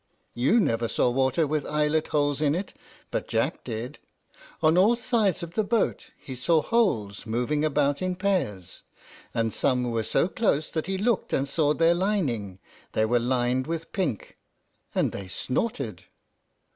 You never saw water with eyelet holes in it; but Jack did. On all sides of the boat he saw holes moving about in pairs, and some were so close that he looked and saw their lining: they were lined with pink, and they snorted!